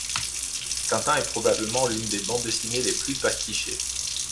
Tintin est probablement l'une des bandes dessinée les plus pastichées.